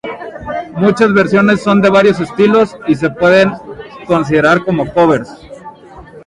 Muchas versiones son de varios estilos, y se pueden considerar como Covers.